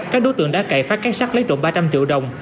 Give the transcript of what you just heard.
các đối tượng đã cậy phát cái sắt lấy trộm ba trăm linh triệu đồng